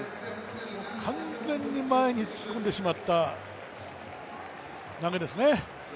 完全に前に突っ込んでしまった投げですね。